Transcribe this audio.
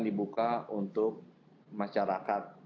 dibuka untuk masyarakat